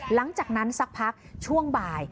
หลังจากนั้นสักพักช่วงบ่าย